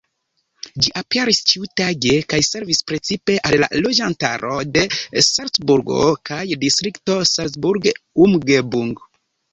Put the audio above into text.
Ĝi aperis ĉiutage kaj servis precipe al la loĝantaro de Salcburgo kaj Distrikto Salzburg-Umgebung.